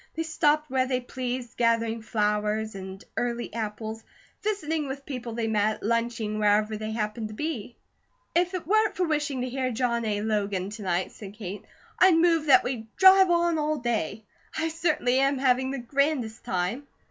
They stopped where they pleased, gathering flowers and early apples, visiting with people they met, lunching wherever they happened to be. "If it weren't for wishing to hear John A. Logan to night," said Kate, "I'd move that we drive on all day. I certainly am having the grandest time."